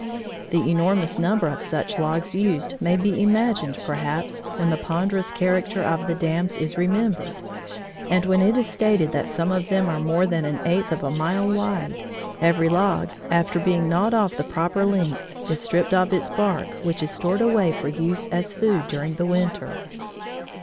The enormous number of such logs used may be imagined perhaps, when the ponderous character of the dams is remembered, and when it is stated that some of them are more than an eighth of a mile wide. Every log, after being gnawed off the proper length, is stripped of its bark which is stored away for use as food during the winter.